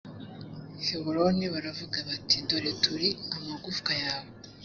heburoni baravuga bati dore turi amagufwa yawe